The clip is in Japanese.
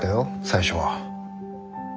最初は。